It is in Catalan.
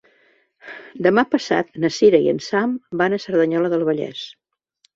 Demà passat na Cira i en Sam van a Cerdanyola del Vallès.